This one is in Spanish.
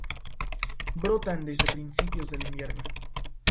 Brotan desde principios del invierno.